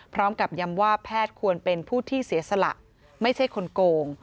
พร้อมกับย้ำว่าแพทย์ควรเป็นผู้ที่เสียสละไม่ใช่คนโกง